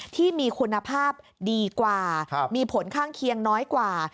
ที่มีคุณภาพดีกว่ามีผลข้างเคียงน้อยกว่า